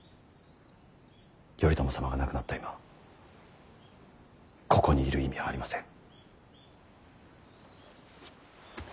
頼朝様が亡くなった今ここにいる意味はありません。